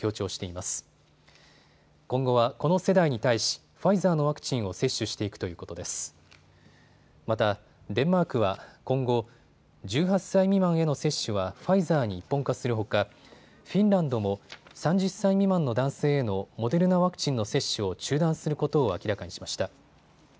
また、デンマークは今後、１８歳未満への接種はファイザーに一本化するほかフィンランドも３０歳未満の男性へのモデルナワクチンの接種を中断することを明らかにしました。